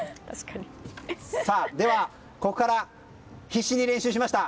では、ここから必死に練習しました。